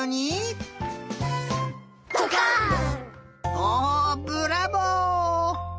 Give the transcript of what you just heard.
おブラボー！